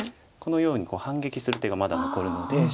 このように反撃する手がまだ残るので。